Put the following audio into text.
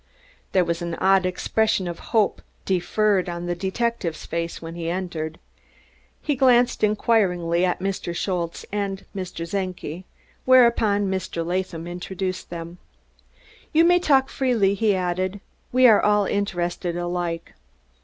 There was an odd expression of hope deferred on the detective's face when he entered. He glanced inquiringly at Mr. Schultze and Mr. Czenki, whereupon Mr. Latham introduced them. "You may talk freely," he added. "We are all interested alike."